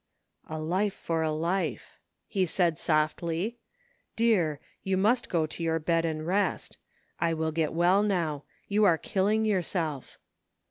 " A life for a life," he said softly. " Dear, you must go to your bed and rest. I will get well now. You are killing yourself."